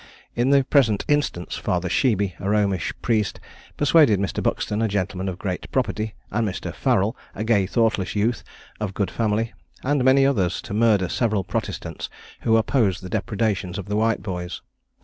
In the present instance, Father Sheeby, a Romish priest, persuaded Mr. Buxton, a gentleman of great property, and Mr. Farrell, a gay, thoughtless youth, of good family, and many others, to murder several Protestants who opposed the depredations of the White Boys.